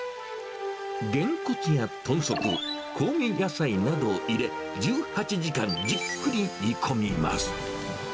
ゲンコツや豚足、香味野菜などを入れ１８時間じっくり煮込みます。